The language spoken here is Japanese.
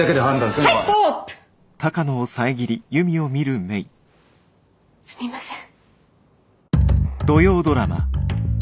すみません。